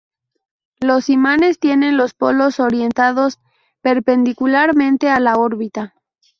Los imanes tienen los polos orientados perpendicularmente a la órbita.